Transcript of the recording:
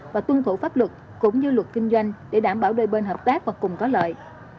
và tuân thủ pháp luật cũng như luật kinh doanh để đảm bảo đôi bên hợp tác và cùng có lợi